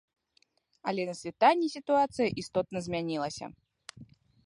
Але на світанні сітуацыя істотна змянілася.